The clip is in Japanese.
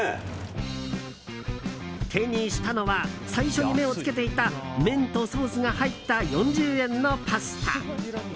手にしたのは最初に目をつけていた麺とソースが入った４０円のパスタ。